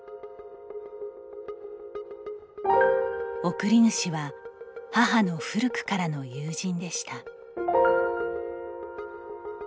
送り主は母の古くからの友人でした。